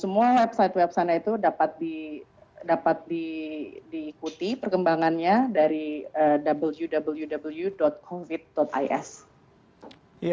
semua website web sana itu dapat diikuti perkembangannya dari wwww covid is